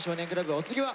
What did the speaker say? お次は？